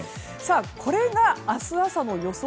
これが明日朝の予想